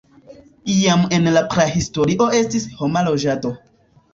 Jam en la prahistorio estis homa loĝado.